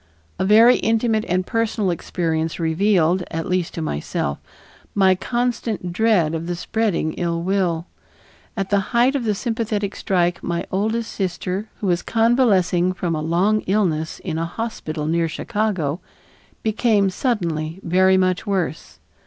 A very intimate and personal experience revealed, at least to myself, my constant dread of the spreading ill will. At the height of the sympathetic strike my oldest sister, who was convalescing from a long illness in a hospital near Chicago, became suddenly very much worse.